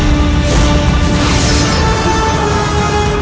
anda gaat kubat